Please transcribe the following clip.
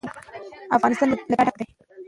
افغانستان له طلا ډک دی.